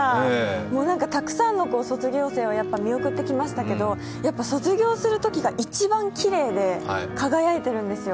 もうたくさんの卒業生を見送ってきましたけど、卒業するときが一番きれいで輝いてるんですよ。